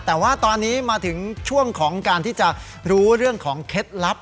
แต่ว่าตอนนี้มาถึงช่วงของการที่จะรู้เรื่องของเคล็ดลับ